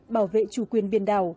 bảo vệ chủ quyền biển đảo